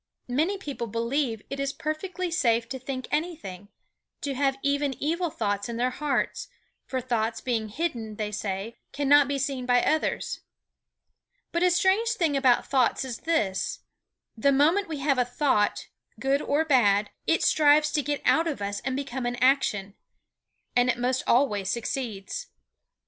Many people believe it is perfectly safe to think anything, to have even evil thoughts in their hearts, for thoughts being hidden, they say, cannot be seen by others. But a strange thing about thought is this: The moment we have a thought, good or bad, it strives to get out of us and become an action. And it most always succeeds.